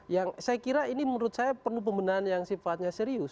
yang saya kira ini menurut saya perlu pemenahan yang sifatnya serius